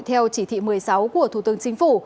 theo chỉ thị một mươi sáu của thủ tướng chính phủ